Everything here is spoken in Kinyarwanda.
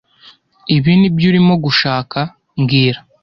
Ibi nibyo urimo gushaka mbwira